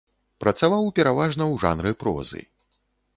Працаваў пераважна ў жанры прозы.